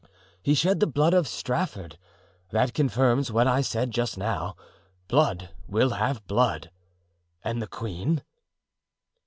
He shed the blood of Strafford; that confirms what I said just now—blood will have blood. And the queen?"